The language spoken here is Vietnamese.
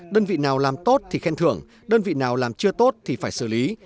đơn vị nào làm tốt thì khen thưởng đơn vị nào làm chưa tốt thì phải xử lý